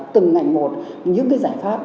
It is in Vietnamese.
từng ngành một những cái giải pháp